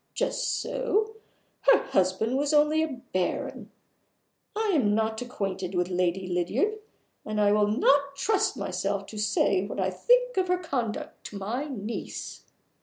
Just so! Her husband was only a Baron. I am not acquainted with Lady Lydiard; and I will not trust myself to say what I think of her conduct to my niece."